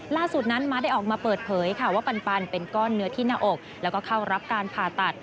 ล่าสุดนั้นม้าได้ออกมาเปิดเผยค่ะว่าปันเป็นก้อนเนื้อที่หน้าอกแล้วก็เข้ารับการผ่าตัด